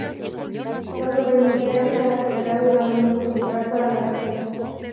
Lo que permitirá que sea recuperado y darle un uso cultural para la región.